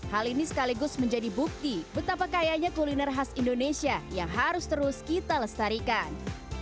hal ini sekaligus menjadi bukti betapa kayanya kuliner khas indonesia yang harus terus kita lestarikan